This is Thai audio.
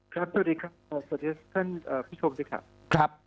ครับสวัสดีครับสวัสดีครับท่านผู้ชมสิครับ